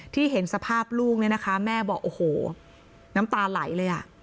เห็นสภาพลูกเนี่ยนะคะแม่บอกโอ้โหน้ำตาไหลเลยอ่ะ